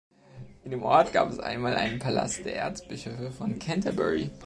In dem Ort gab es einmal einen Palast der Erzbischöfe von Canterbury.